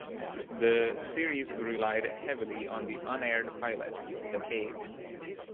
The series relied heavily on the unaired pilot "The Cage".